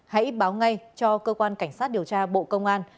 hãy báo ngay cho cơ quan cảnh sát điều tra bộ công an